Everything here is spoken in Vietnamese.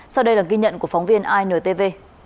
sau đây là ghi nhận của phóng viên intv